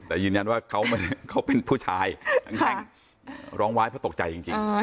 แต่ยืนยันว่าเขาเป็นผู้ชายร้องไว้เพราะตกใจจริง